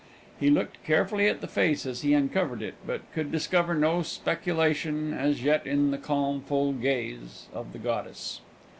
He looked carefully at the face as he uncovered it, but could discover no speculation as yet in the calm, full gaze of the goddess.